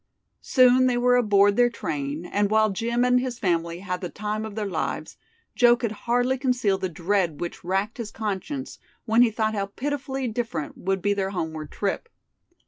Soon they were aboard their train, and while Jim and his family had the time of their lives, Joe could hardly conceal the dread which racked his conscience when he thought how pitifully different would be their homeward trip.